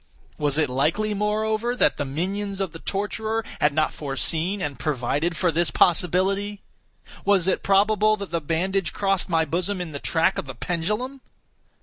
Was it likely, moreover, that the minions of the torturer had not foreseen and provided for this possibility? Was it probable that the bandage crossed my bosom in the track of the pendulum?